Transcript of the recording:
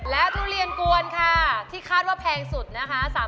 และทุเรียนกวนค่ะที่คาดว่าแพงสุดนะคะ